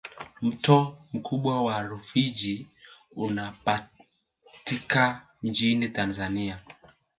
mto mkubwa wa rufiji unapatika nchini tanzania